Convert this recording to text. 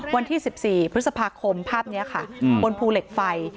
วันที่๑๔พฤษภาคมภาพนี้ค่ะบนภูเหล็กไฟ